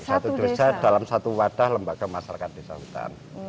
satu desa dalam satu wadah lembaga masyarakat desa hutan